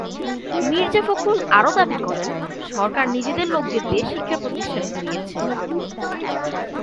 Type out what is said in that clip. মির্জা ফখরুল আরও দাবি করেন, সরকার নিজেদের লোকদের দিয়ে শিক্ষা প্রতিষ্ঠান পুড়িয়েছে।